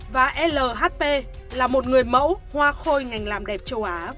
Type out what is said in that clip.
và lhp là một người mẫu hoa khôi ngành